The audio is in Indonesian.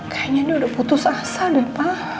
kayaknya ini udah putus asa deh pak